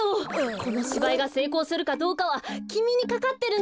このしばいがせいこうするかどうかはきみにかかってるんですから！